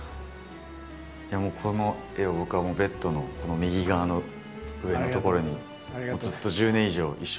もうこの絵を僕はベッドの右側の上の所にずっと１０年以上一緒に。